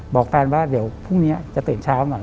บอกการว่าพรุ่งนี้จะตื่นเช้าหน่อย